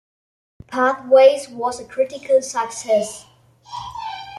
"Pathways" was a critical success.